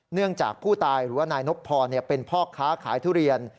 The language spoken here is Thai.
เนื่องจากผู้ตายหรือว่านายนบพรเป็นพ่อค้าขายทุเรียน